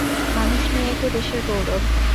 মানুষ নিয়েই তো দেশের গৌরব।